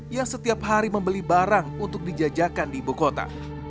yang setiap hari membeli barang untuk dijajakan di ibukota